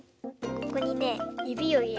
ここにねゆびをいれます。